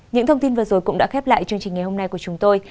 những thông tin vừa rồi cũng đã khép lại chương trình ngày hôm nay của chúng tôi